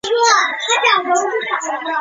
趾尖有发展完善的盘状物。